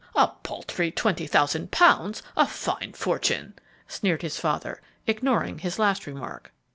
"A paltry twenty thousand pounds! a fine fortune!" sneered his father, ignoring his last remark.